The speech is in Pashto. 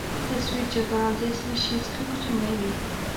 تصویر چپه او د اصلي شي څخه کوچنۍ وي.